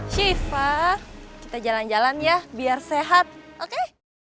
syifa kita jalan jalan ya biar sehat oke